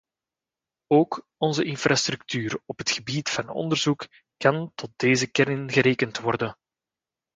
Ook onze infrastructuur op het gebied van onderzoek kan tot deze kern gerekend worden.